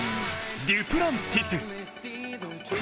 デュプランティス。